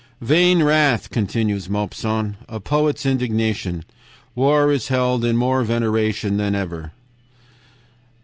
"Vain wrath," continues Maupassant, "a poet's indignation. War is held in more veneration than ever.